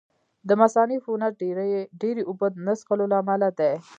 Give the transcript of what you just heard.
د مثانې عفونت ډېرې اوبه نه څښلو له امله دی.